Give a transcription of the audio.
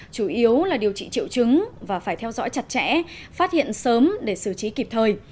chủ yếu là điều trị triệu chứng và phải theo dõi chặt chẽ phát hiện sớm để xử trí kịp thời